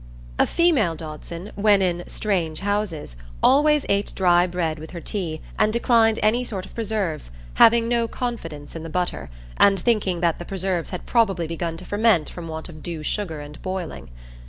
A female Dodson, when in "strange houses," always ate dry bread with her tea, and declined any sort of preserves, having no confidence in the butter, and thinking that the preserves had probably begun to ferment from want of due sugar and boiling.